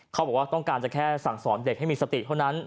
เขาบอกว่าต้องการจะแค่สั่งสอนเด็กให้มีสติเท่านั้น